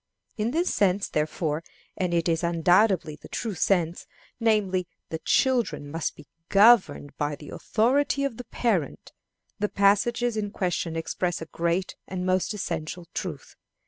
In this sense, therefore and it is undoubtedly the true sense namely, that children must be governed by the authority of the parent, the passages in question express a great and most essential truth.